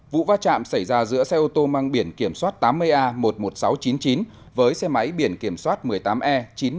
vụ va chạm xảy ra giữa xe ô tô mang biển kiểm soát tám mươi a một mươi một nghìn sáu trăm chín mươi chín với xe máy biển kiểm soát một mươi tám e chín trăm tám mươi